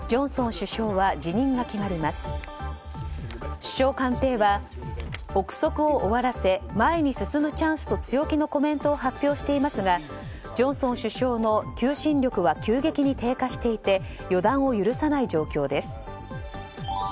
首相官邸は、憶測を終わらせ前に進むチャンスと強気のコメントを発表していますがジョンソン首相の求心力は急激に低下していて予断を許さない状況です。